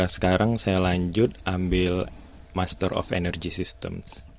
sekarang saya lanjut ambil master of energy system